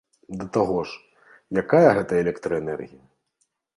Да таго ж, якая гэта электраэнергія?